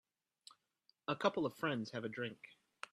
A couple of friends have a drink